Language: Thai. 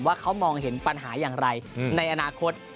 ว่าเขามองเห็นปัญหาอย่างไรในอนาคต